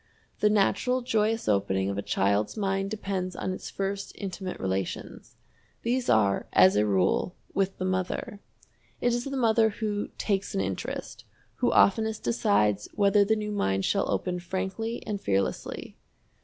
The natural joyous opening of a child's mind depends on its first intimate relations. These are, as a rule, with the mother. It is the mother who "takes an interest," who oftenest decides whether the new mind shall open frankly and fearlessly.